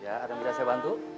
ya ada yang bisa saya bantu